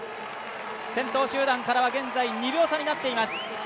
先頭集団からは、現在２秒差となっています。